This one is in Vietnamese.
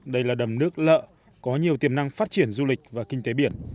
đây là đầm nước lợ có nhiều tiềm năng phát triển du lịch và kinh tế biển